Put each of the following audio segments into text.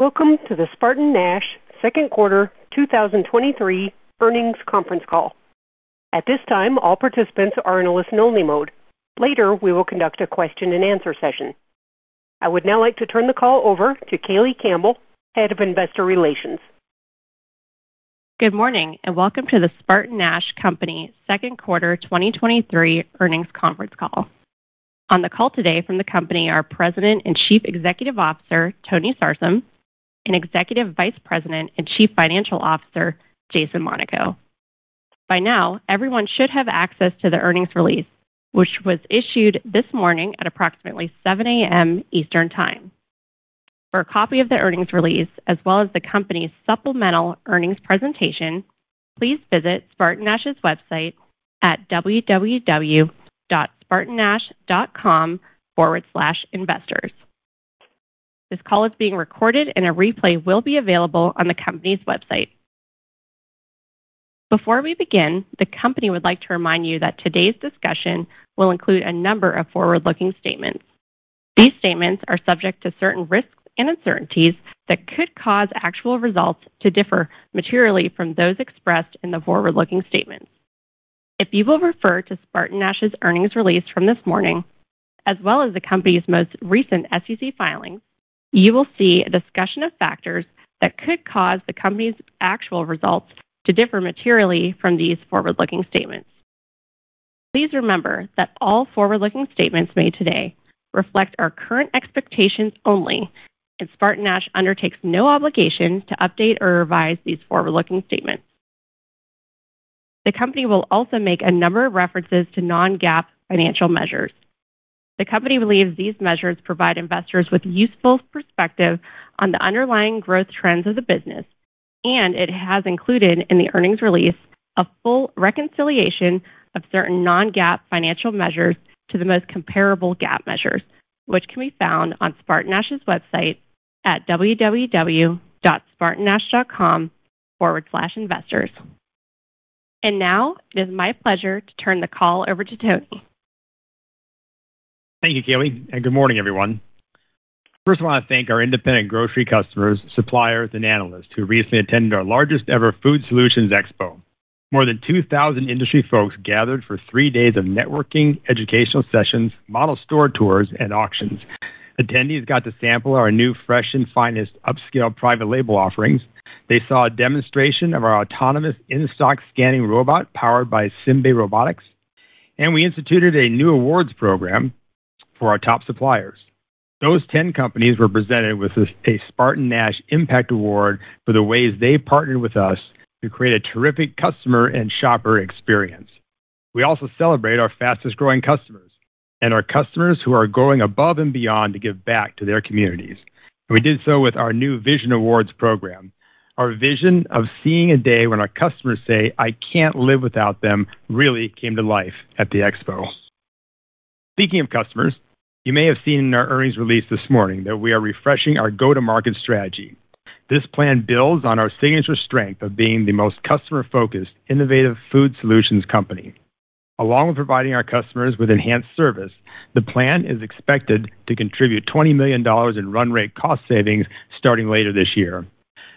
Welcome to the SpartanNash Second Quarter 2023 Earnings Conference Call. At this time, all participants are in a listen-only mode. Later, we will conduct a question-and-answer session. I would now like to turn the call over to Kayleigh Campbell, Head of Investor Relations. Good morning, and welcome to the SpartanNash Company Second Quarter 2023 Earnings Conference Call. On the call today from the company are President and Chief Executive Officer, Tony Sarsam, and Executive Vice President and Chief Financial Officer, Jason Monaco. By now, everyone should have access to the earnings release, which was issued this morning at approximately 7:00 A.M. Eastern Time. For a copy of the earnings release, as well as the company's supplemental earnings presentation, please visit SpartanNash's website at www.spartannash.com/investors. This call is being recorded, and a replay will be available on the company's website. Before we begin, the company would like to remind you that today's discussion will include a number of forward-looking statements. These statements are subject to certain risks and uncertainties that could cause actual results to differ materially from those expressed in the forward-looking statements. If you will refer to SpartanNash's earnings release from this morning, as well as the company's most recent SEC filings, you will see a discussion of factors that could cause the company's actual results to differ materially from these forward-looking statements. Please remember that all forward-looking statements made today reflect our current expectations only. SpartanNash undertakes no obligation to update or revise these forward-looking statements. The company will also make a number of references to non-GAAP financial measures. The company believes these measures provide investors with useful perspective on the underlying growth trends of the business. It has included in the earnings release a full reconciliation of certain non-GAAP financial measures to the most comparable GAAP measures, which can be found on SpartanNash's website at www.spartannash.com/investors. Now, it is my pleasure to turn the call over to Tony. Thank you, Kayleigh, good morning, everyone. First of all, I thank our independent grocery customers, suppliers, and analysts who recently attended our largest-ever Food Solutions Expo. More than 2,000 industry folks gathered for three days of networking, educational sessions, model store tours, and auctions. Attendees got to sample our new Fresh &Finest upscale private label offerings. They saw a demonstration of our autonomous in-stock scanning robot, powered by Simbe Robotics, and we instituted a new awards program for our top suppliers. Those 10 companies were presented with a SpartanNash Impact Award for the ways they partnered with us to create a terrific customer and shopper experience. We also celebrate our fastest-growing customers and our customers who are going above and beyond to give back to their communities, and we did so with our new Vision Awards program. Our vision of seeing a day when our customers say, "I can't live without them," really came to life at the Expo. Speaking of customers, you may have seen in our earnings release this morning that we are refreshing our go-to-market strategy. This plan builds on our signature strength of being the most customer-focused, innovative food solutions company. Along with providing our customers with enhanced service, the plan is expected to contribute $20 million in run rate cost savings starting later this year.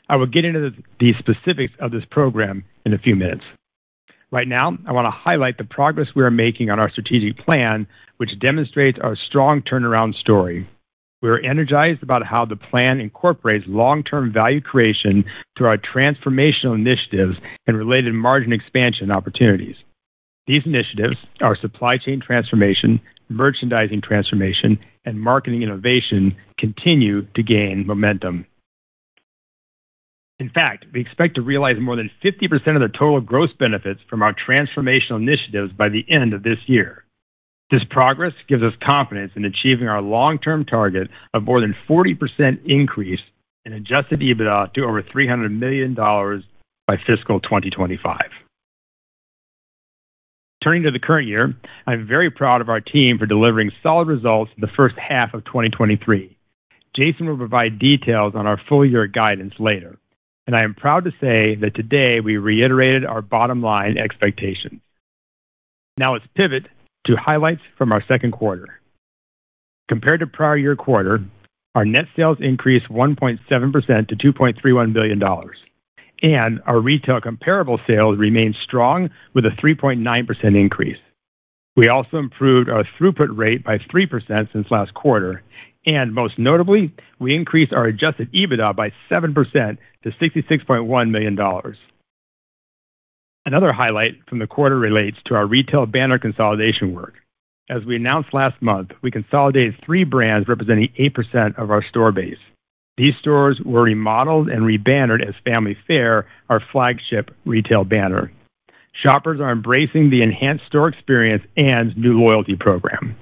I will get into these specifics of this program in a few minutes. Right now, I want to highlight the progress we are making on our strategic plan, which demonstrates our strong turnaround story. We are energized about how the plan incorporates long-term value creation through our transformational initiatives and related margin expansion opportunities. These initiatives, our supply chain transformation, merchandising transformation, and marketing innovation, continue to gain momentum. In fact, we expect to realize more than 50% of the total gross benefits from our transformational initiatives by the end of this year. This progress gives us confidence in achieving our long-term target of more than 40% increase in adjusted EBITDA to over $300 million by fiscal 2025. Turning to the current year, I'm very proud of our team for delivering solid results in the first half of 2023. Jason will provide details on our full-year guidance later, I am proud to say that today we reiterated our bottom-line expectations. Now, let's pivot to highlights from our second quarter. Compared to prior year quarter, our net sales increased 1.7% to $2.31 billion, and our retail comparable sales remained strong with a 3.9% increase. We also improved our throughput rate by 3% since last quarter, and most notably, we increased our adjusted EBITDA by 7% to $66.1 million. Another highlight from the quarter relates to our retail banner consolidation work. As we announced last month, we consolidated 3 brands representing 8% of our store base. These stores were remodeled and re-bannered as Family Fare, our flagship retail banner. Shoppers are embracing the enhanced store experience and new loyalty program.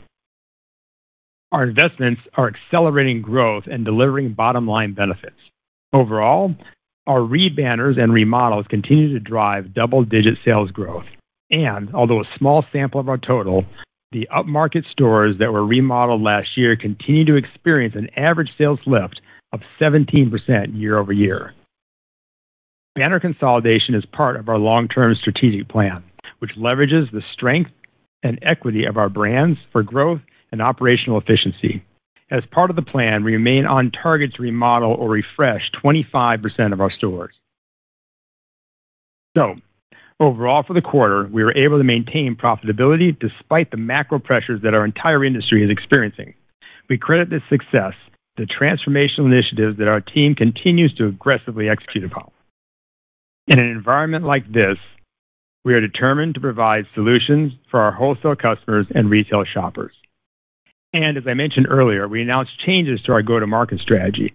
Our investments are accelerating growth and delivering bottom-line benefits. Overall, our re-banners and remodels continue to drive double-digit sales growth, and although a small sample of our total, the upmarket stores that were remodeled last year continue to experience an average sales lift of 17% year-over-year. Banner consolidation is part of our long-term strategic plan, which leverages the strength and equity of our brands for growth and operational efficiency. As part of the plan, we remain on target to remodel or refresh 25% of our stores. Overall, for the quarter, we were able to maintain profitability despite the macro pressures that our entire industry is experiencing. We credit this success to transformational initiatives that our team continues to aggressively execute upon. In an environment like this, we are determined to provide solutions for our wholesale customers and retail shoppers. As I mentioned earlier, we announced changes to our go-to-market strategy.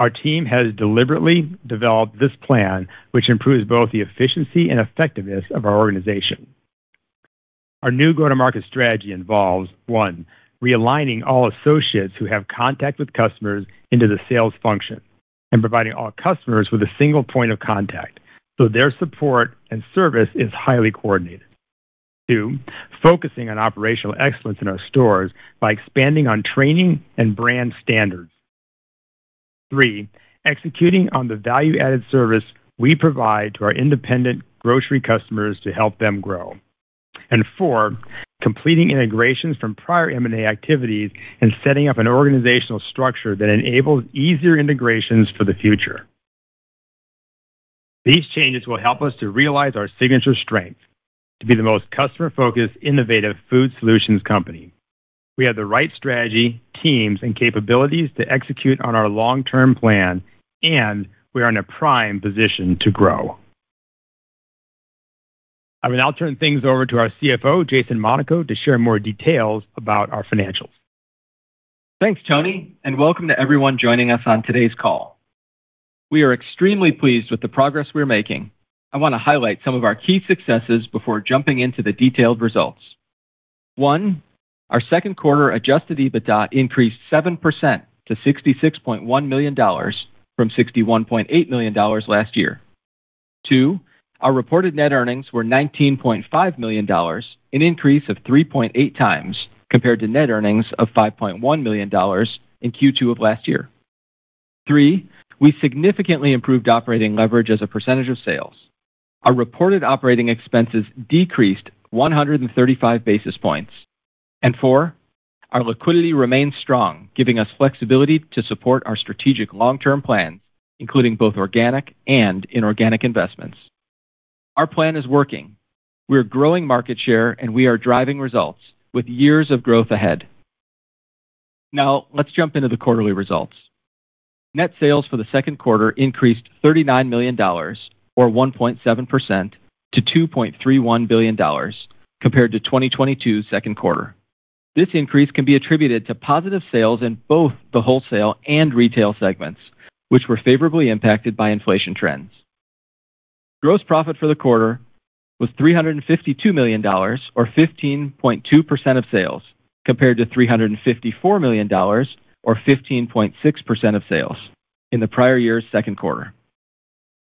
Our team has deliberately developed this plan, which improves both the efficiency and effectiveness of our organization. Our new go-to-market strategy involves, 1, realigning all associates who have contact with customers into the sales function and providing all customers with a single point of contact, so their support and service is highly coordinated. 2, focusing on operational excellence in our stores by expanding on training and brand standards. 3, executing on the value-added service we provide to our independent grocery customers to help them grow. 4, completing integrations from prior M&A activities and setting up an organizational structure that enables easier integrations for the future. These changes will help us to realize our signature strength to be the most customer-focused, innovative food solutions company. We have the right strategy, teams, and capabilities to execute on our long-term plan, and we are in a prime position to grow. I will now turn things over to our CFO, Jason Monaco, to share more details about our financials. Thanks, Tony, and welcome to everyone joining us on today's call. We are extremely pleased with the progress we're making. I want to highlight some of our key successes before jumping into the detailed results. One, our second quarter adjusted EBITDA increased 7% to $66.1 million from $61.8 million last year. Two, our reported net earnings were $19.5 million, an increase of 3.8 times compared to net earnings of $5.1 million in Q2 of last year. Three, we significantly improved operating leverage as a percentage of sales. Our reported operating expenses decreased 135 basis points. Four, our liquidity remains strong, giving us flexibility to support our strategic long-term plans, including both organic and inorganic investments. Our plan is working. We are growing market share, we are driving results with years of growth ahead. Now, let's jump into the quarterly results. Net sales for the second quarter increased $39 million, or 1.7%, to $2.31 billion, compared to 2022 second quarter. This increase can be attributed to positive sales in both the wholesale and retail segments, which were favorably impacted by inflation trends. Gross profit for the quarter was $352 million, or 15.2% of sales, compared to $354 million, or 15.6% of sales, in the prior year's second quarter.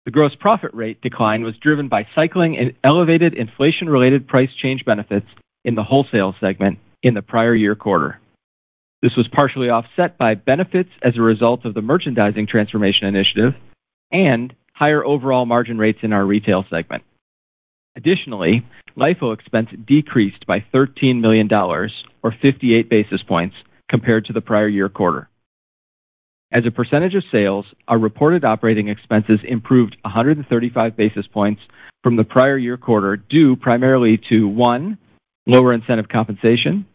The gross profit rate decline was driven by cycling and elevated inflation-related price change benefits in the wholesale segment in the prior year quarter. This was partially offset by benefits as a result of the merchandising transformation initiative and higher overall margin rates in our retail segment. LIFO expense decreased by $13 million, or 58 basis points, compared to the prior year quarter. As a percentage of sales, our reported operating expenses improved 135 basis points from the prior year quarter, due primarily to, 1, lower incentive compensation,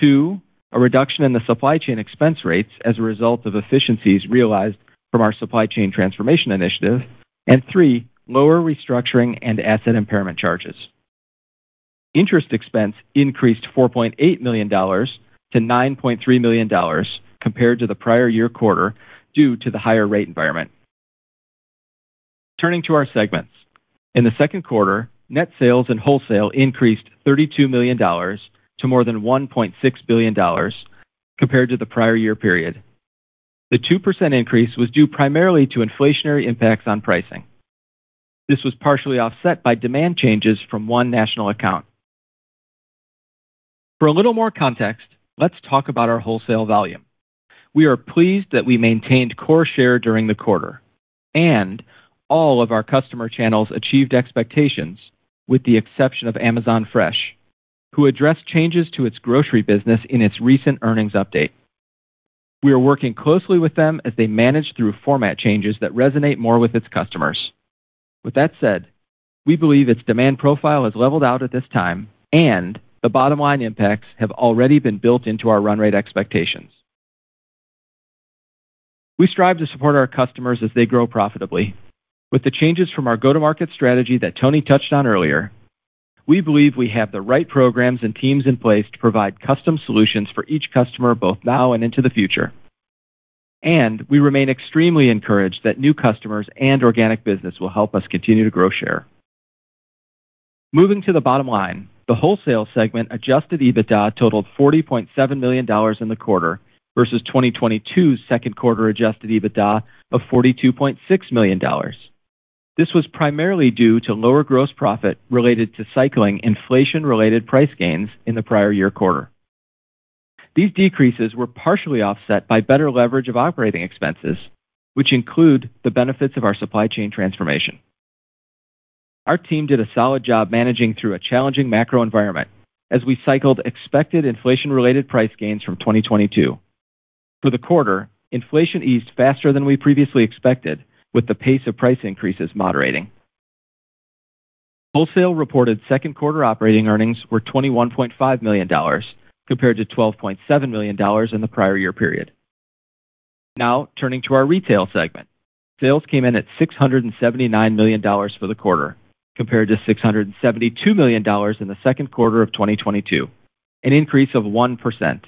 2, a reduction in the supply chain expense rates as a result of efficiencies realized from our supply chain transformation initiative, and 3, lower restructuring and asset impairment charges. Interest expense increased $4.8 million-$9.3 million compared to the prior year quarter, due to the higher rate environment. Turning to our segments, in the second quarter, net sales and wholesale increased $32 million to more than $1.6 billion compared to the prior year period. The 2% increase was due primarily to inflationary impacts on pricing. This was partially offset by demand changes from one national account. For a little more context, let's talk about our wholesale volume. We are pleased that we maintained core share during the quarter, and all of our customer channels achieved expectations, with the exception of Amazon Fresh, who addressed changes to its grocery business in its recent earnings update. We are working closely with them as they manage through format changes that resonate more with its customers. With that said, we believe its demand profile has leveled out at this time, and the bottom line impacts have already been built into our run rate expectations. We strive to support our customers as they grow profitably. With the changes from our go-to-market strategy that Tony touched on earlier, we believe we have the right programs and teams in place to provide custom solutions for each customer, both now and into the future. We remain extremely encouraged that new customers and organic business will help us continue to grow share. Moving to the bottom line, the wholesale segment adjusted EBITDA totaled $40.7 million in the quarter versus 2022's second quarter adjusted EBITDA of $42.6 million. This was primarily due to lower gross profit related to cycling inflation-related price gains in the prior year quarter. These decreases were partially offset by better leverage of operating expenses, which include the benefits of our supply chain transformation. Our team did a solid job managing through a challenging macro environment as we cycled expected inflation-related price gains from 2022. For the quarter, inflation eased faster than we previously expected, with the pace of price increases moderating. Wholesale reported second quarter operating earnings were $21.5 million, compared to $12.7 million in the prior year period. Now, turning to our retail segment. Sales came in at $679 million for the quarter, compared to $672 million in the second quarter of 2022, an increase of 1%.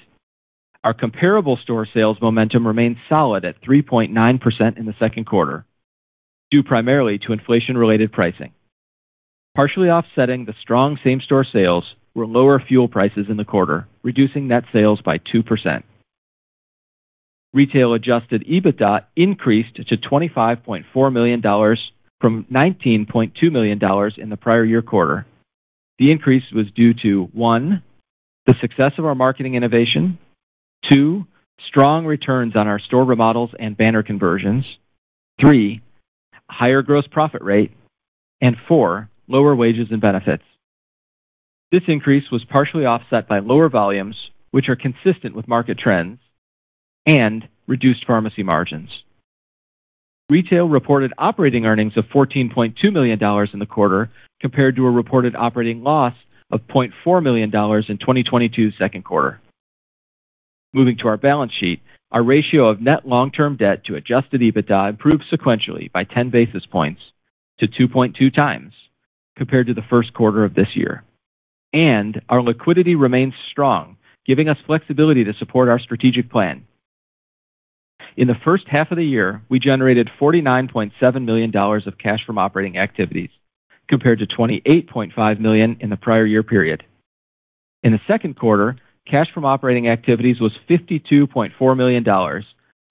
Our comparable store sales momentum remained solid at 3.9% in the second quarter, due primarily to inflation-related pricing. Partially offsetting the strong same-store sales were lower fuel prices in the quarter, reducing net sales by 2%. Retail adjusted EBITDA increased to $25.4 million from $19.2 million in the prior year quarter. The increase was due to, 1, the success of our marketing innovation, 2, strong returns on our store remodels and banner conversions, 3, higher gross profit rate, and 4, lower wages and benefits. This increase was partially offset by lower volumes, which are consistent with market trends and reduced pharmacy margins. Retail reported operating earnings of $14.2 million in the quarter, compared to a reported operating loss of $0.4 million in 2022's second quarter. Moving to our balance sheet, our ratio of net long-term debt to adjusted EBITDA improved sequentially by 10 basis points to 2.2 times compared to the first quarter of this year. Our liquidity remains strong, giving us flexibility to support our strategic plan. In the first half of the year, we generated $49.7 million of cash from operating activities, compared to $28.5 million in the prior year period. In the second quarter, cash from operating activities was $52.4 million,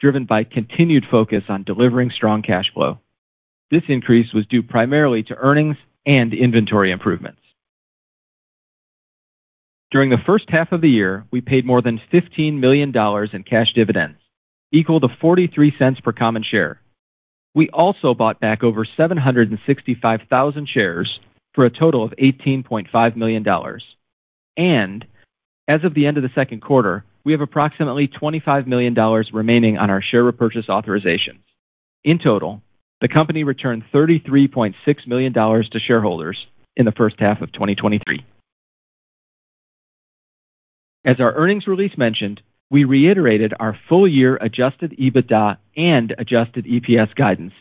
driven by continued focus on delivering strong cash flow. This increase was due primarily to earnings and inventory improvements. During the first half of the year, we paid more than $15 million in cash dividends, equal to $0.43 per common share. We also bought back over 765,000 shares for a total of $18.5 million. As of the end of the second quarter, we have approximately $25 million remaining on our share repurchase authorizations. In total, the company returned $33.6 million to shareholders in the first half of 2023. As our earnings release mentioned, we reiterated our full-year adjusted EBITDA and adjusted EPS guidance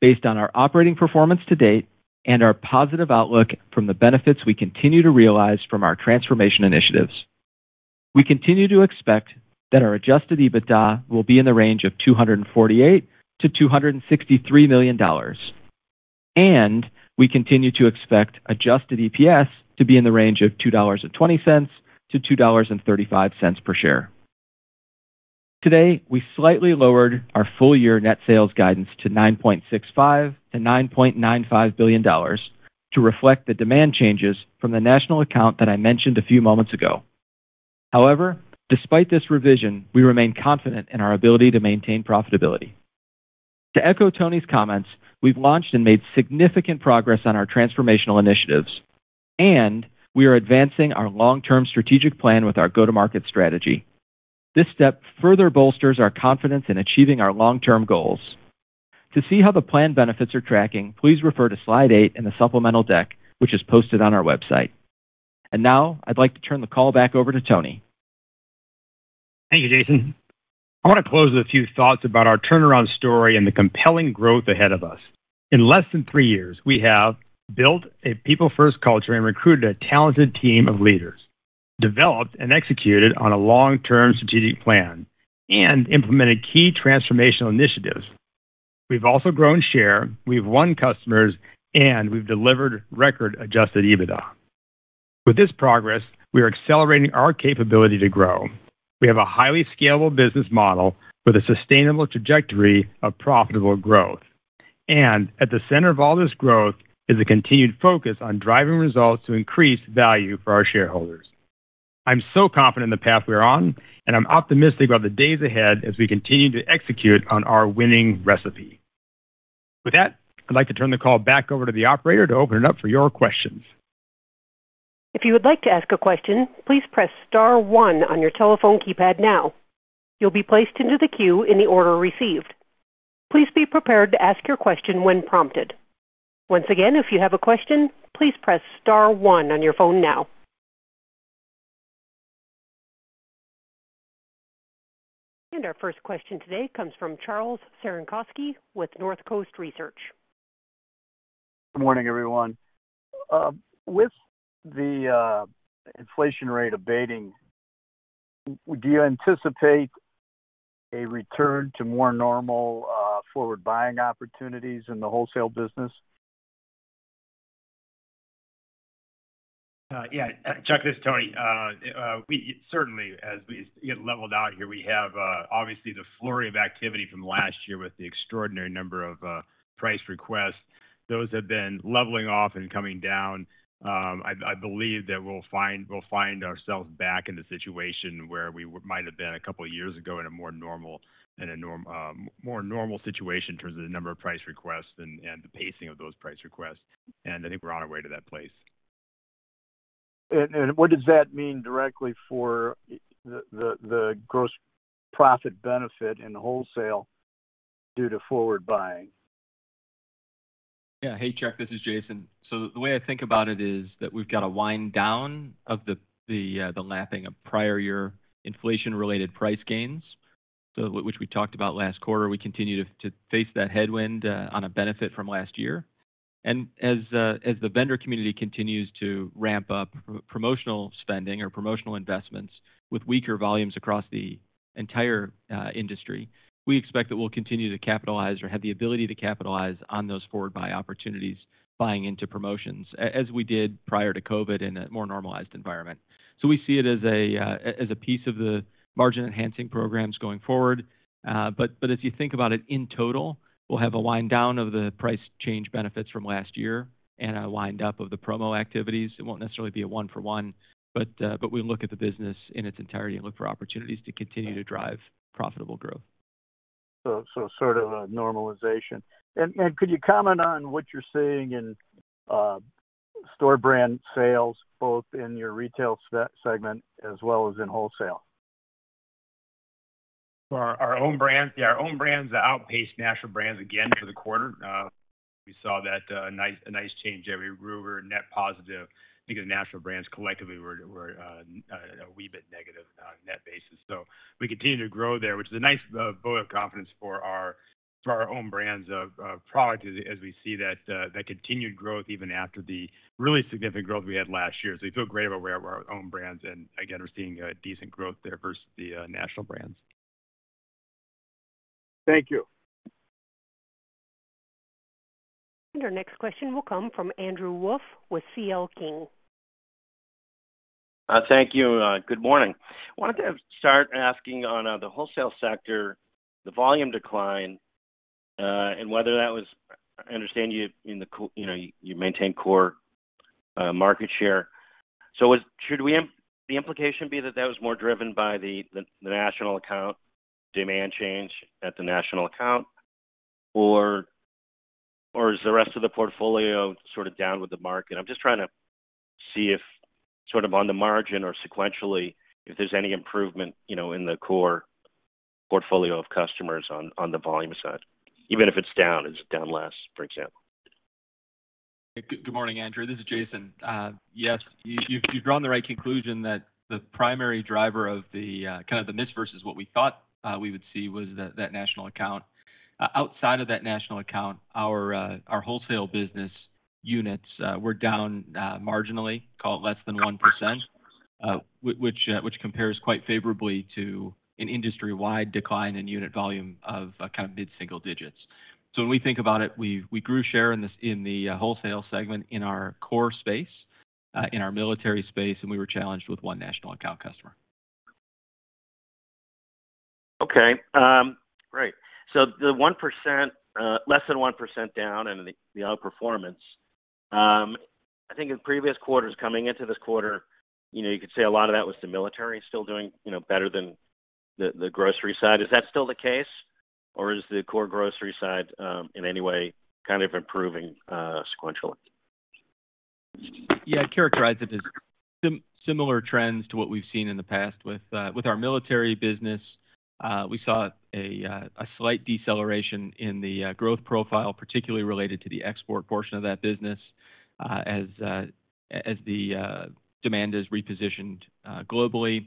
based on our operating performance to date and our positive outlook from the benefits we continue to realize from our transformation initiatives. We continue to expect that our adjusted EBITDA will be in the range of $248 million-$263 million, we continue to expect adjusted EPS to be in the range of $2.20-$2.35 per share. Today, we slightly lowered our full-year net sales guidance to $9.65 billion-$9.95 billion to reflect the demand changes from the national account that I mentioned a few moments ago. Despite this revision, we remain confident in our ability to maintain profitability. To echo Tony's comments, we've launched and made significant progress on our transformational initiatives. We are advancing our long-term strategic plan with our go-to-market strategy. This step further bolsters our confidence in achieving our long-term goals. To see how the plan benefits are tracking, please refer to slide 8 in the supplemental deck, which is posted on our website. Now I'd like to turn the call back over to Tony. Thank you, Jason. I want to close with a few thoughts about our turnaround story and the compelling growth ahead of us. In less than three years, we have built a people-first culture and recruited a talented team of leaders, developed and executed on a long-term strategic plan, and implemented key transformational initiatives. We've also grown share, we've won customers, and we've delivered record adjusted EBITDA. With this progress, we are accelerating our capability to grow. We have a highly scalable business model with a sustainable trajectory of profitable growth. At the center of all this growth is a continued focus on driving results to increase value for our shareholders. I'm so confident in the path we are on, and I'm optimistic about the days ahead as we continue to execute on our winning recipe. With that, I'd like to turn the call back over to the operator to open it up for your questions. If you would like to ask a question, please press star one on your telephone keypad now. You'll be placed into the queue in the order received. Please be prepared to ask your question when prompted. Once again, if you have a question, please press star one on your phone now. Our first question today comes from Charles Cerankosky with Northcoast Research. Good morning, everyone. With the inflation rate abating, do you anticipate a return to more normal forward buying opportunities in the wholesale business? Yeah, Chuck, this is Tony. We certainly, as we get leveled out here, we have, obviously the flurry of activity from last year with the extraordinary number of price requests. Those have been leveling off and coming down. I, I believe that we'll find, we'll find ourselves back in the situation where we might have been 2 years ago in a more normal, more normal situation in terms of the number of price requests and, and the pacing of those price requests. I think we're on our way to that place. What does that mean directly for the gross profit benefit in wholesale due to forward buying? Hey, Chuck, this is Jason. The way I think about it is that we've got a wind down of the, the, the lapping of prior year inflation-related price gains, which we talked about last quarter. We continue to, to face that headwind on a benefit from last year. As, as the vendor community continues to ramp up promotional spending or promotional investments with weaker volumes across the entire industry, we expect that we'll continue to capitalize or have the ability to capitalize on those forward buy opportunities, buying into promotions, as we did prior to COVID in a more normalized environment. We see it as a, as a piece of the margin-enhancing programs going forward. But as you think about it in total, we'll have a wind down of the price change benefits from last year and a wind up of the promo activities. It won't necessarily be a 1 for 1, but we look at the business in its entirety and look for opportunities to continue to drive profitable growth. so sort of a normalization. could you comment on what you're seeing in store brand sales, both in your retail segment as well as in wholesale? Our, our own brands, yeah, our own brands outpaced national brands again for the quarter. We saw that a nice, a nice change every grower net positive, because national brands collectively were, were a wee bit negative on net basis. We continue to grow there, which is a nice vote of confidence for our, for our own brands of, of products as we, as we see that continued growth even after the really significant growth we had last year. We feel great about where our own brands and again, we're seeing a decent growth there versus the national brands. Thank you. Our next question will come from Andrew Wolf with C.L. King. Thank you. Good morning. I wanted to start asking on the wholesale sector, the volume decline, and whether that was... I understand you, you know, you maintain core market share. Should we, the implication be that that was more driven by the national account, demand change at the national account, or is the rest of the portfolio sort of down with the market? I'm just trying to see if sort of on the margin or sequentially, if there's any improvement, you know, in the core portfolio of customers on the volume side, even if it's down, is it down less, for example? Good morning, Andrew. This is Jason. Yes, you've, you've drawn the right conclusion that the primary driver of the kind of the miss versus what we thought we would see was that, that national account. Outside of that national account, our wholesale business units were down marginally, call it less than 1%, which compares quite favorably to an industry-wide decline in unit volume of kind of mid single digits. When we think about it, we, we grew share in this, in the wholesale segment, in our core space, in our military space, and we were challenged with 1 national account customer. Okay, great. The 1%, less than 1% down and the outperformance, I think in previous quarters coming into this quarter, you know, you could say a lot of that was the military still doing, you know, better than the grocery side. Is that still the case, or is the core grocery side, in any way, kind of improving, sequentially? Yeah, I'd characterize it as similar trends to what we've seen in the past with, with our military business. We saw a slight deceleration in the growth profile, particularly related to the export portion of that business, as, as the demand is repositioned globally.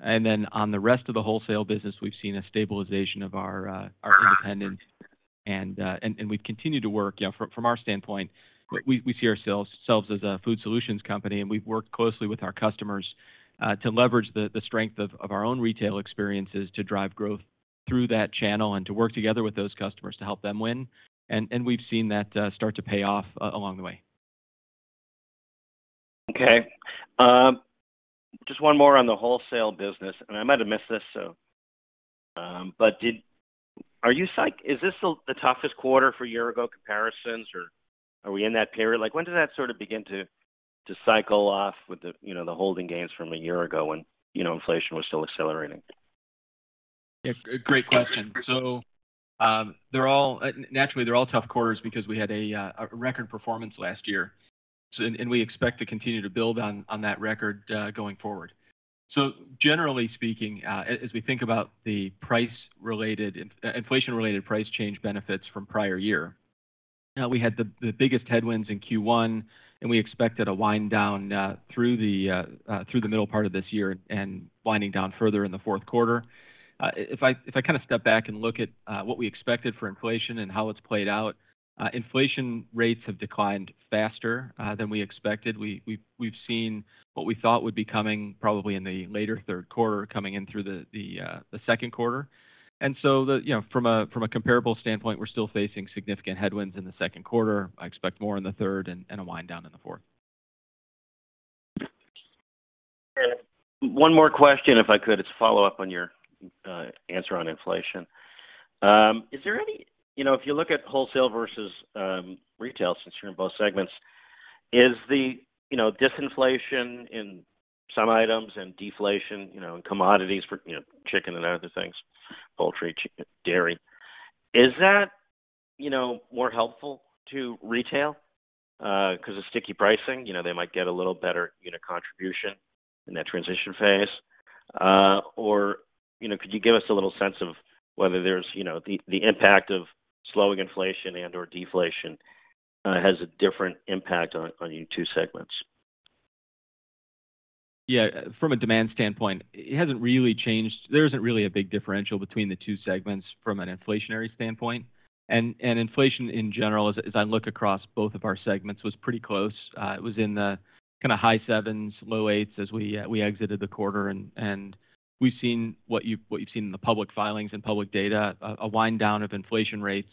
Then on the rest of the wholesale business, we've seen a stabilization of our, our independence. And we've continued to work, you know, from, from our standpoint, we, we see ourselves as a food solutions company, and we've worked closely with our customers, to leverage the, the strength of, of our own retail experiences to drive growth through that channel and to work together with those customers to help them win. And we've seen that, start to pay off along the way. Okay. Just one more on the wholesale business, and I might have missed this, so... Is this the, the toughest quarter for year-ago comparisons, or are we in that period? Like, when does that sort of begin to, to cycle off with the, you know, the holding gains from a year ago when, you know, inflation was still accelerating? Yeah, great question. They're all-- Naturally, they're all tough quarters because we had a record performance last year, and we expect to continue to build on that record going forward. Generally speaking, as, as we think about the price-related, inflation-related price change benefits from prior year, we had the biggest headwinds in Q1, and we expected a wind down through the middle part of this year and winding down further in the fourth quarter. If I, if I kind of step back and look at what we expected for inflation and how it's played out, inflation rates have declined faster than we expected. We, we've, we've seen what we thought would be coming probably in the later third quarter, coming in through the second quarter. So the, you know, from a comparable standpoint, we're still facing significant headwinds in the second quarter. I expect more in the third and a wind down in the fourth. One more question, if I could. It's a follow-up on your answer on inflation. You know, if you look at wholesale versus retail, since you're in both segments, is the, you know, disinflation in some items and deflation, you know, in commodities for, you know, chicken and other things, poultry, chicken, dairy, is that, you know, more helpful to retail because of sticky pricing? You know, they might get a little better unit contribution in that transition phase. Or, you know, could you give us a little sense of whether there's, you know, the, the impact of slowing inflation and/or deflation has a different impact on, on your two segments? Yeah, from a demand standpoint, it hasn't really changed. There isn't really a big differential between the two segments from an inflationary standpoint. Inflation in general, as, as I look across both of our segments, was pretty close. It was in the kinda high 7s%, low 8s% as we exited the quarter. We've seen what you, what you've seen in the public filings and public data, a, a wind down of inflation rates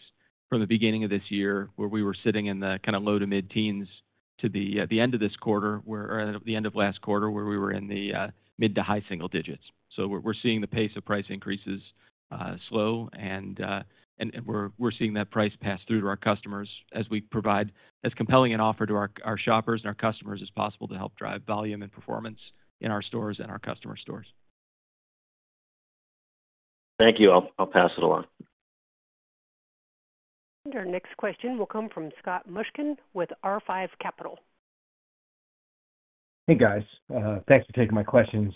from the beginning of this year, where we were sitting in the kinda low to mid-teens% to the end of this quarter, where the end of last quarter, where we were in the mid to high single digits%. We're seeing the pace of price increases slow, and we're seeing that price pass through to our customers as we provide as compelling an offer to our shoppers and our customers as possible, to help drive volume and performance in our stores and our customer stores. Thank you. I'll, I'll pass it along. Our next question will come from Scott Mushkin with R5 Capital. Hey, guys. Thanks for taking my questions,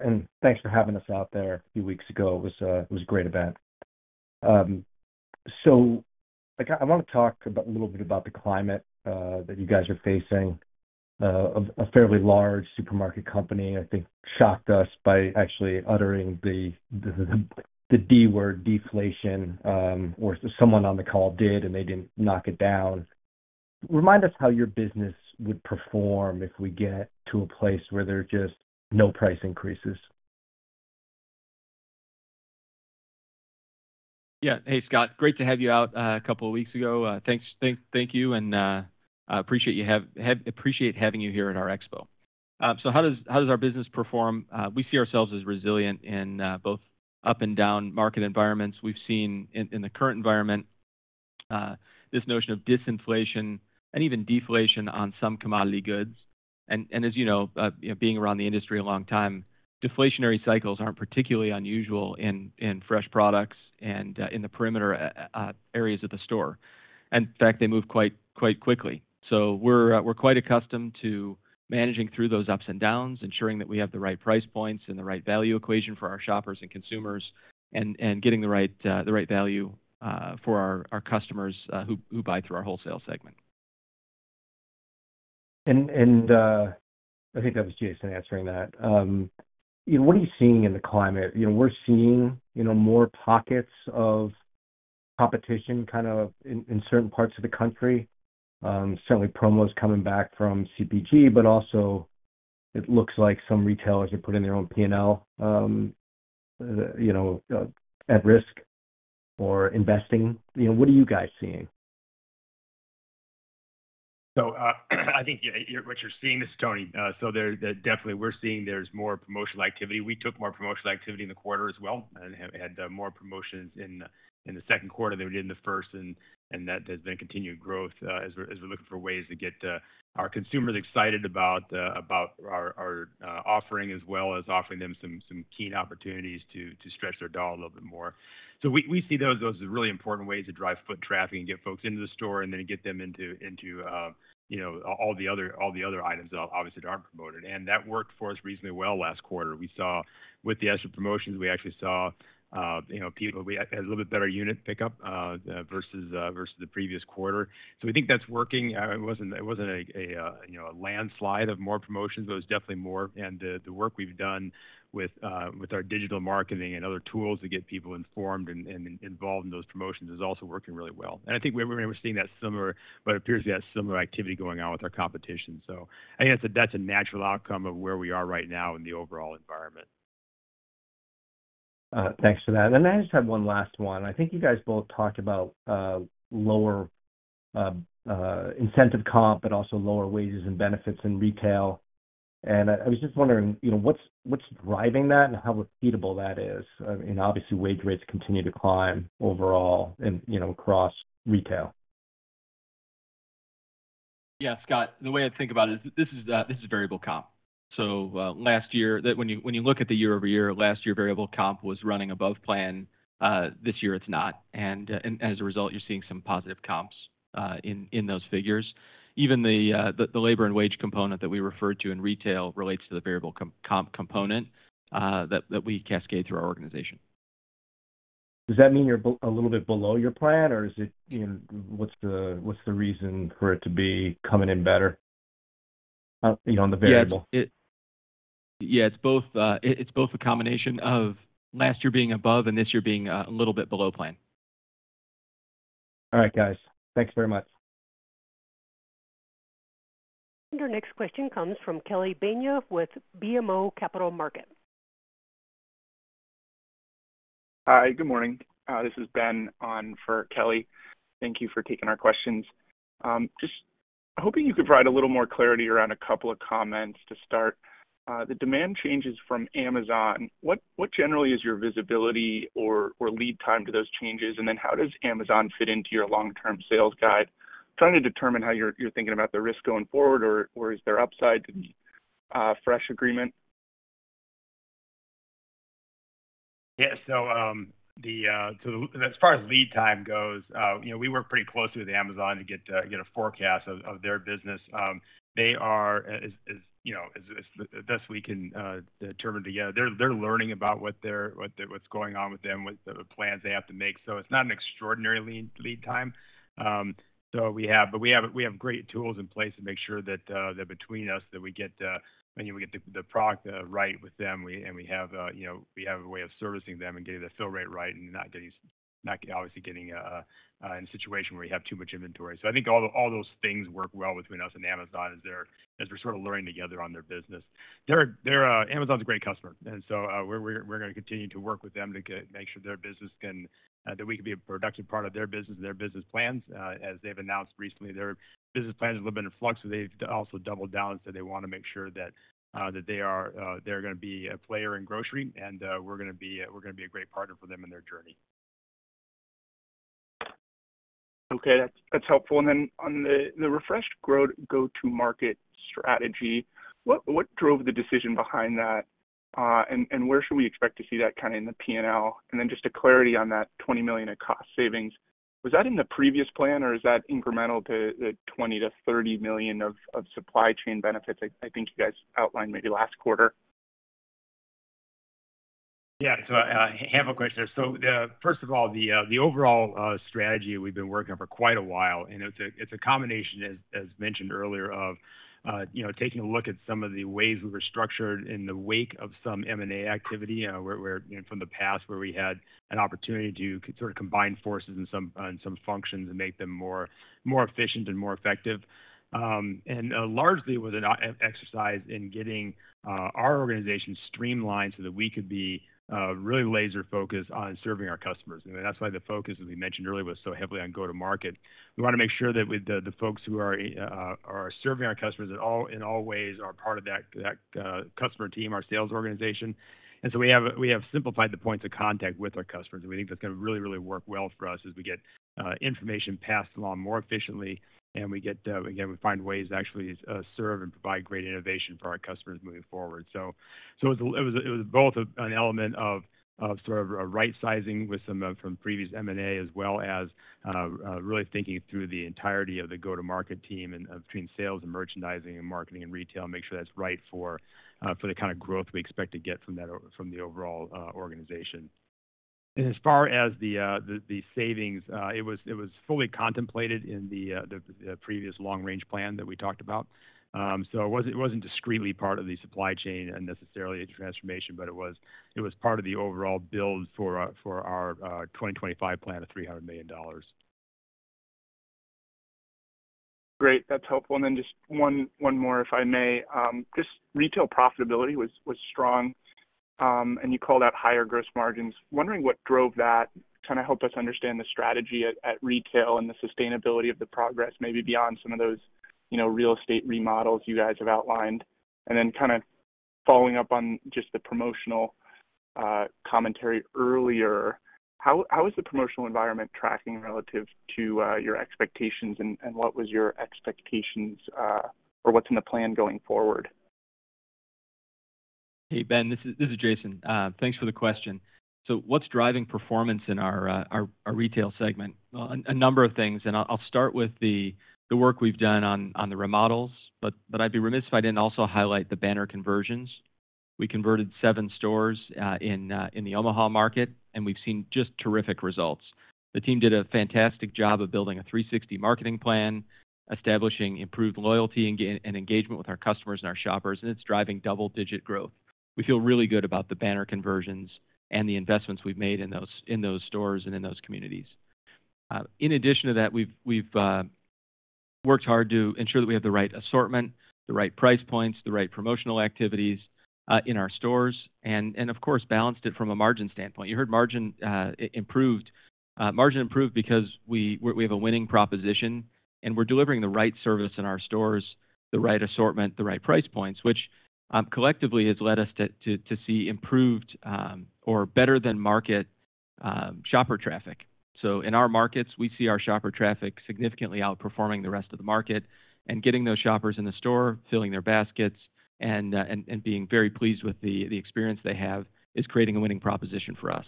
and thanks for having us out there a few weeks ago. It was a great event. I wanna talk about a little bit about the climate that you guys are facing. A fairly large supermarket company, I think, shocked us by actually uttering the D word, deflation, or someone on the call did, and they didn't knock it down. Remind us how your business would perform if we get to a place where there are just no price increases. Yeah. Hey, Scott, great to have you out, a couple of weeks ago. Thanks, thank, thank you, and I appreciate having you here at our expo. How does, how does our business perform? We see ourselves as resilient in both up and down market environments. We've seen in, in the current environment, this notion of disinflation and even deflation on some commodity goods. As you know, you know, being around the industry a long time, deflationary cycles aren't particularly unusual in, in fresh products and in the perimeter areas of the store. In fact, they move quite, quite quickly. We're, we're quite accustomed to managing through those ups and downs, ensuring that we have the right price points and the right value equation for our shoppers and consumers, and, and getting the right, the right value, for our, our customers, who, who buy through our wholesale segment. I think that was Jason answering that. What are you seeing in the climate? You know, we're seeing, you know, more pockets of competition, kind of, in, in certain parts of the country. Certainly promos coming back from CPG, but also it looks like some retailers are putting their own PNL, you know, at risk or investing. You know, what are you guys seeing? I think, yeah, what you're seeing, this is Tony. There, definitely, we're seeing there's more promotional activity. We took more promotional activity in the quarter as well and have had more promotions in, in the second quarter than we did in the first, that has been continued growth, as we're, as we're looking for ways to get our consumers excited about about our, our offering, as well as offering them some, some keen opportunities to, to stretch their dollar a little bit more. We, we see those, those as really important ways to drive foot traffic and get folks into the store, then get them into, into, you know, all the other, all the other items that obviously aren't promoted. That worked for us reasonably well last quarter. We saw with the extra promotions, we actually saw, you know, we had a little bit better unit pickup versus versus the previous quarter. We think that's working. It wasn't, it wasn't a, you know, a landslide of more promotions, but it was definitely more. The work we've done with our digital marketing and other tools to get people informed and involved in those promotions is also working really well. I think we're, we're seeing that similar, but appears to be that similar activity going on with our competition. I guess that that's a natural outcome of where we are right now in the overall environment. Thanks for that. I just have 1 last one. I think you guys both talked about, lower incentive comp, but also lower wages and benefits in retail. I, I was just wondering, you know, what's, what's driving that and how repeatable that is? I mean, obviously, wage rates continue to climb overall and, you know, across retail. Yeah, Scott, the way I think about it is this is, this is variable comp. Last year... When you, when you look at the year-over-year, last year, variable comp was running above plan. This year it's not, and as a result, you're seeing some positive comps in those figures. Even the labor and wage component that we referred to in retail relates to the variable comp component that we cascade through our organization. Does that mean you're a little bit below your plan, or is it, you know, what's the, what's the reason for it to be coming in better, you know, on the variable? Yeah, it's both. It's both a combination of last year being above and this year being a little bit below plan. All right, guys. Thanks very much. Our next question comes from Kelly Bania with BMO Capital Markets. Hi, good morning. This is Ben on for Kelly. Thank you for taking our questions. Just hoping you could provide a little more clarity around a couple of comments to start. The demand changes from Amazon, what, what generally is your visibility or, or lead time to those changes? How does Amazon fit into your long-term sales guide? Trying to determine how you're, you're thinking about the risk going forward, or, or is there upside to the Fresh agreement? As far as lead time goes, you know, we work pretty closely with Amazon to get a forecast of their business. They are, as you know, as best we can determine together, they're learning about what's going on with them, what the plans they have to make. It's not an extraordinary lead, lead time. We have great tools in place to make sure that between us, that we get and we get the product right with them. We have, you know, we have a way of servicing them and getting the fill rate right, and not getting, not obviously getting in a situation where we have too much inventory. I think all, all those things work well between us and Amazon as we're sort of learning together on their business. They're, they're, Amazon's a great customer, and so, we're, we're gonna continue to work with them to make sure their business can, that we can be a productive part of their business and their business plans. As they've announced recently, their business plan is a little bit in flux, so they've also doubled down and said they want to make sure that, that they are, they're gonna be a player in grocery, and, we're gonna be a, we're gonna be a great partner for them in their journey. Okay, that's, that's helpful. On the refreshed go-to-market strategy, what, what drove the decision behind that? Where should we expect to see that kind of in the P&L? Just a clarity on that $20 million in cost savings. Was that in the previous plan, or is that incremental to the $20 million-$30 million of supply chain benefits I think you guys outlined maybe last quarter? Yeah. half a question there. First of all, the overall strategy we've been working on for quite a while, and it's a combination, as, as mentioned earlier, of, you know, taking a look at some of the ways we were structured in the wake of some M&A activity. You know, where, where, you know, from the past, where we had an opportunity to sort of combine forces on some, on some functions and make them more, more efficient and more effective. And largely, it was an e-exercise in getting our organization streamlined so that we could be really laser-focused on serving our customers. And that's why the focus, as we mentioned earlier, was so heavily on go-to-market. We want to make sure that with the, the folks who are, are, are serving our customers in all, in all ways are part of that, that, customer team, our sales organization. So we have, we have simplified the points of contact with our customers, and we think that's gonna really, really work well for us as we get information passed along more efficiently. We get, again, we find ways to actually, serve and provide great innovation for our customers moving forward. It was, it was both an element of, of sort of a right-sizing with some from previous M&A, as well as, really thinking through the entirety of the go-to-market team and between sales and merchandising and marketing and retail, make sure that's right for the kind of growth we expect to get from that, from the overall organization. As far as the savings, it was fully contemplated in the previous long-range plan that we talked about. It wasn't, it wasn't discreetly part of the supply chain and necessarily a transformation, but it was, it was part of the overall build for our, for our 2025 plan of $300 million. Great. That's helpful. Then just one, one more, if I may. Just retail profitability was, was strong, and you called out higher gross margins. Wondering what drove that, kind of help us understand the strategy at, at retail and the sustainability of the progress, maybe beyond some of those, you know, real estate remodels you guys have outlined? Then kind of following up on just the promotional commentary earlier, how, how is the promotional environment tracking relative to your expectations, and, and what was your expectations, or what's in the plan going forward? Hey, Ben, this is, this is Jason. Thanks for the question. What's driving performance in our, our, our retail segment? Well, a number of things, I'll, I'll start with the, the work we've done on, on the remodels, I'd be remiss if I didn't also highlight the banner conversions. We converted seven stores in, in the Omaha market, we've seen just terrific results. The team did a fantastic job of building a 360 marketing plan, establishing improved loyalty and engagement with our customers and our shoppers, it's driving double-digit growth. We feel really good about the banner conversions and the investments we've made in those, in those stores and in those communities. In addition to that, we've, we've worked hard to ensure that we have the right assortment, the right price points, the right promotional activities in our stores, and, and of course, balanced it from a margin standpoint. You heard margin improved. Margin improved because we, we, we have a winning proposition, and we're delivering the right service in our stores, the right assortment, the right price points, which collectively has led us to, to, to see improved or better-than-market shopper traffic. In our markets, we see our shopper traffic significantly outperforming the rest of the market and getting those shoppers in the store, filling their baskets, and, and being very pleased with the, the experience they have is creating a winning proposition for us.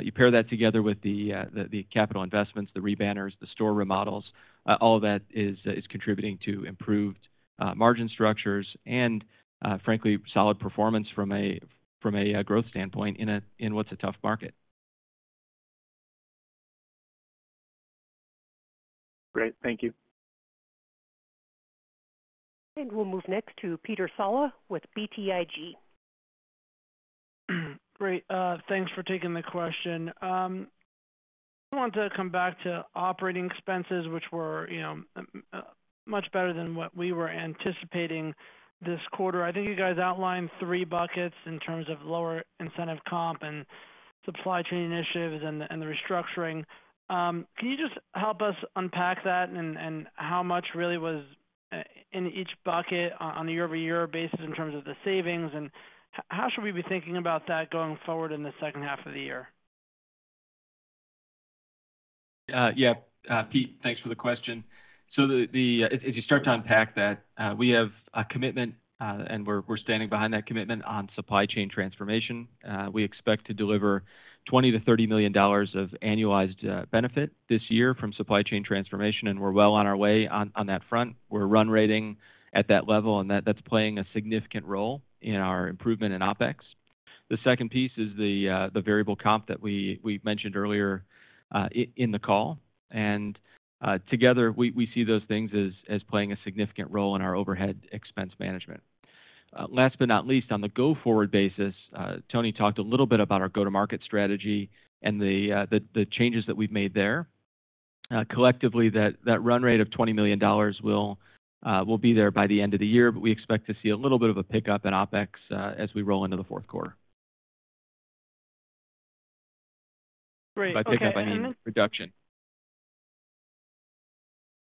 You pair that together with the, the, the capital investments, the rebanners, the store remodels, all of that is, is contributing to improved margin structures and, frankly, solid performance from a, from a, growth standpoint in a, in what's a tough market. Great. Thank you. We'll move next to Peter Saleh with BTIG. Great, thanks for taking the question. I want to come back to operating expenses, which were, you know, much better than what we were anticipating this quarter. I think you guys outlined three buckets in terms of lower incentive comp and supply chain initiatives and the, and the restructuring. Can you just help us unpack that and, and how much really was in each bucket on a year-over-year basis in terms of the savings? How should we be thinking about that going forward in the second half of the year? Pete, thanks for the question. As you start to unpack that, we have a commitment, and we're standing behind that commitment on supply chain transformation. We expect to deliver $20 million-$30 million of annualized benefit this year from supply chain transformation, and we're well on our way on that front. We're run rating at that level, and that's playing a significant role in our improvement in OpEx. The second piece is the variable comp that we mentioned earlier in the call. Together, we see those things as playing a significant role in our overhead expense management. Last but not least, on the go-forward basis, Tony talked a little bit about our go-to-market strategy and the changes that we've made there. Collectively, that, that run rate of $20 million will be there by the end of the year, but we expect to see a little bit of a pickup in OpEx as we roll into the fourth quarter. Great. Okay. By pickup, I mean, reduction.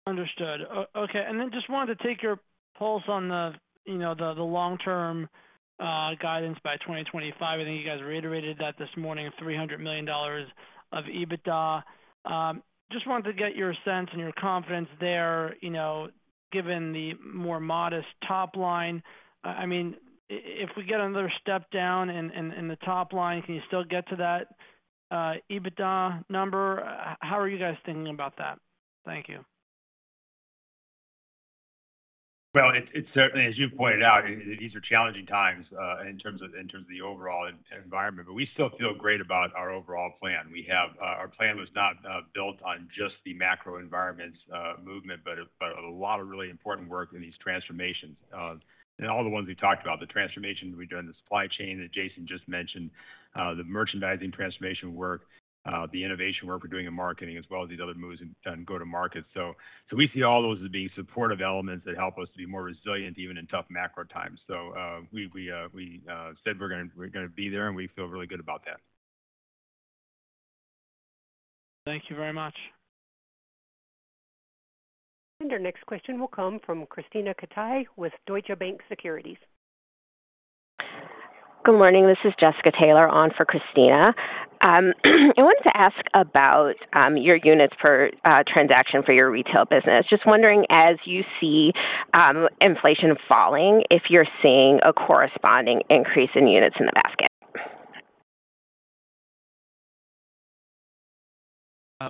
Understood. Okay, and then just wanted to take your pulse on the, you know, the long-term guidance by 2025. I think you guys reiterated that this morning, $300 million of EBITDA. Just wanted to get your sense and your confidence there, you know, given the more modest top line. I mean, if we get another step down in, in, in the top line, can you still get to that EBITDA number? How are you guys thinking about that? Thank you. Well, it, it's certainly, as you pointed out, these are challenging times, in terms of the overall environment, but we still feel great about our overall plan. Our plan was not built on just the macro environment's movement, but a lot of really important work in these transformations, and all the ones we talked about, the transformation we've done, the supply chain that Jason just mentioned, the merchandising transformation work, the innovation work we're doing in marketing, as well as these other moves in, on go-to-market. We see all those as being supportive elements that help us to be more resilient, even in tough macro times. We said we're gonna be there, and we feel really good about that. Thank you very much. Our next question will come from Krisztina Katai with Deutsche Bank Securities. Good morning. This is Jessica Taylor on for Krisztina. I wanted to ask about your units per transaction for your retail business. Just wondering, as you see inflation falling, if you're seeing a corresponding increase in units in the basket?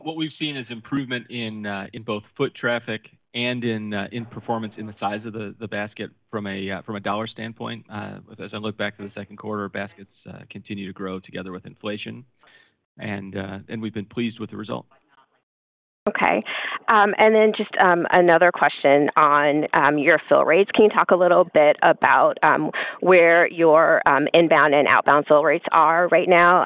What we've seen is improvement in both foot traffic and in performance in the size of the, the basket from a dollar standpoint. As I look back to the second quarter, baskets continue to grow together with inflation, and we've been pleased with the result. Okay. Then just another question on your fill rates. Can you talk a little bit about where your inbound and outbound fill rates are right now?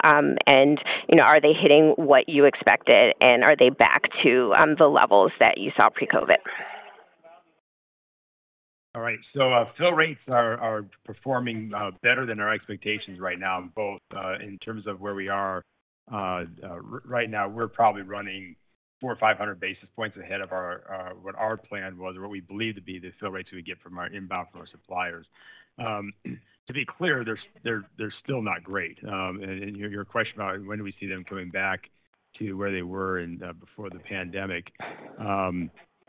You know, are they hitting what you expected, and are they back to the levels that you saw pre-COVID? All right. Our fill rates are, are performing better than our expectations right now, both in terms of where we are. Right now, we're probably running 400 or 500 basis points ahead of our what our plan was, or what we believe to be the fill rates we get from our inbound from our suppliers. To be clear, they're, they're, they're still not great. Your question about when do we see them coming back to where they were in before the pandemic?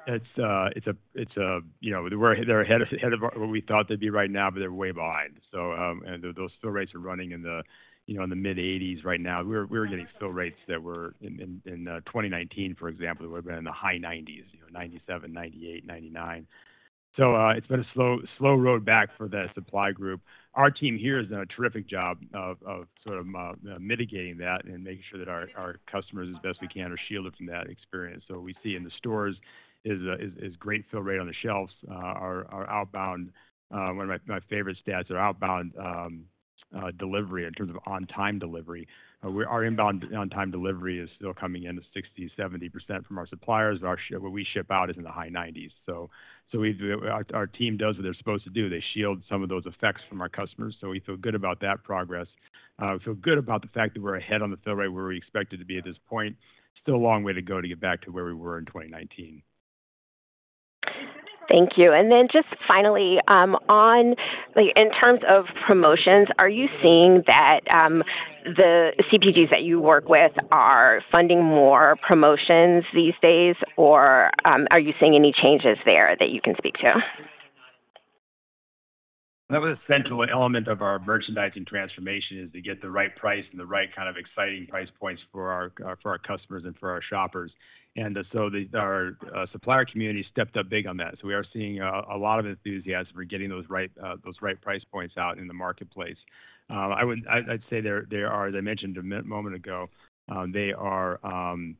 It's you know, they're ahead of, ahead of where we thought they'd be right now, but they're way behind. And those fill rates are running in the, you know, in the mid-80s right now. We're getting fill rates that were in 2019, for example, would have been in the high 90s, you know, 97, 98, 99. It's been a slow, slow road back for the supply group. Our team here has done a terrific job of sort of mitigating that and making sure that our customers, as best we can, are shielded from that experience. What we see in the stores is a great fill rate on the shelves, our outbound, one of my favorite stats are outbound delivery in terms of on-time delivery. Our inbound on-time delivery is still coming in to 60%, 70% from our suppliers, but what we ship out is in the high 90s. We've our team does what they're supposed to do. They shield some of those effects from our customers, so we feel good about that progress. We feel good about the fact that we're ahead on the fill rate where we expect it to be at this point. Still a long way to go to get back to where we were in 2019. Thank you. Then just finally, like, in terms of promotions, are you seeing that the CPGs that you work with are funding more promotions these days, or are you seeing any changes there that you can speak to? That was a central element of our merchandising transformation, is to get the right price and the right kind of exciting price points for our for our customers and for our shoppers. The, our supplier community stepped up big on that. We are seeing a lot of enthusiasm for getting those right those right price points out in the marketplace. I'd say there are, as I mentioned a moment ago, they are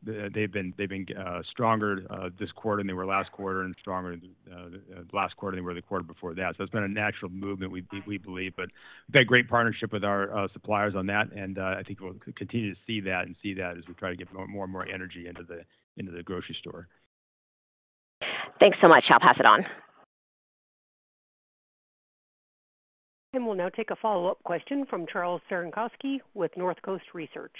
they've been, they've been stronger this quarter than they were last quarter and stronger last quarter than they were the quarter before that. It's been a natural movement, we, we believe, but we've had great partnership with our suppliers on that, and I think we'll continue to see that and see that as we try to get more and more energy into the, into the grocery store.... Thanks so much. I'll pass it on. We'll now take a follow-up question from Charles Cerankosky with Northcoast Research.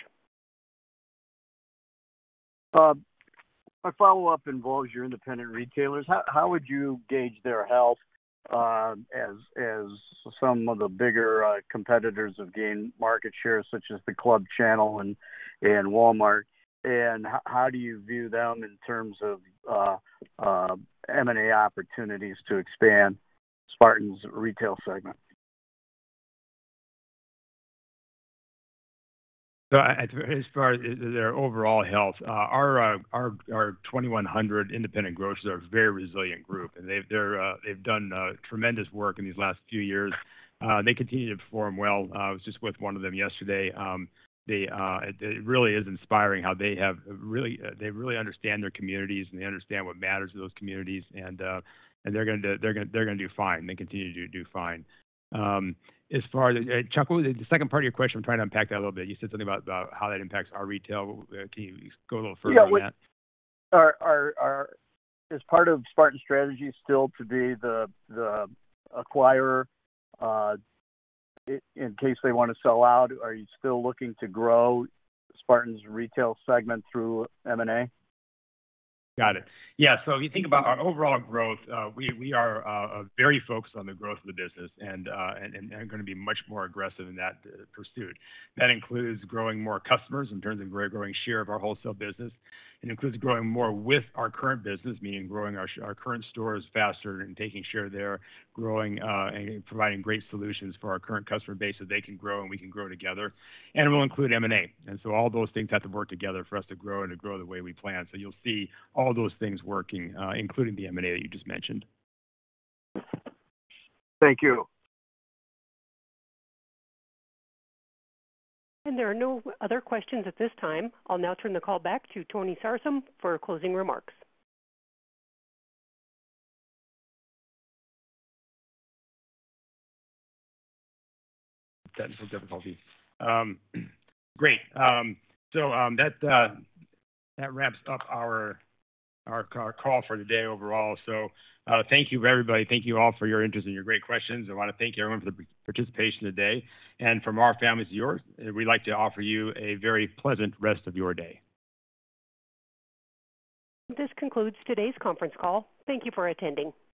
My follow-up involves your independent retailers. How would you gauge their health, as some of the bigger competitors have gained market share, such as the Club Channel and Walmart? How do you view them in terms of M&A opportunities to expand Spartan's retail segment? I, as far as their overall health, our 2,100 independent grocers are a very resilient group, and they've done tremendous work in these last few years. They continue to perform well. I was just with one of them yesterday. It really is inspiring how they have really, they really understand their communities, and they understand what matters to those communities. They're gonna do fine. They continue to do fine. As far as... Chuck, what was the second part of your question? I'm trying to unpack that a little bit. You said something about, about how that impacts our retail team. Can you go a little further on that? Yeah. Well, is part of Spartan's strategy still to be the, the acquirer, in case they want to sell out? Are you still looking to grow Spartan's retail segment through M&A? Got it. Yeah. If you think about our overall growth, we, we are very focused on the growth of the business and, and gonna be much more aggressive in that pursuit. That includes growing more customers in terms of growing share of our wholesale business. It includes growing more with our current business, meaning growing our current stores faster and taking share there, growing, and providing great solutions for our current customer base so they can grow and we can grow together. It will include M&A. All those things have to work together for us to grow and to grow the way we plan. You'll see all those things working, including the M&A that you just mentioned. Thank you. There are no other questions at this time. I'll now turn the call back to Tony Sarsam for closing remarks. Technical difficulty. Great. That wraps up our call for today overall. Thank you, everybody. Thank you all for your interest and your great questions. I wanna thank everyone for the participation today. From our families to yours, we'd like to offer you a very pleasant rest of your day. This concludes today's conference call. Thank you for attending.